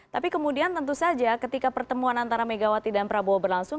tapi kemudian tentu saja ketika pertemuan antara megawati dan prabowo berlangsung